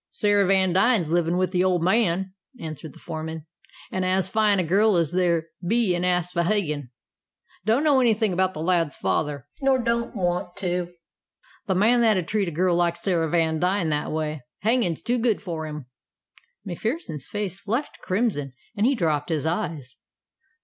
"Sarah Vandine's living with the old man," answered the foreman, "and as fine a girl as there'll be in Aspohegan. Don't know anything about the lad's father, nor don't want to. The man that'd treat a girl like Sarah Vandine that way hangin 's too good for 'im." MacPherson's face flushed crimson, and he dropped his eyes.